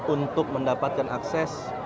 untuk mendapatkan akses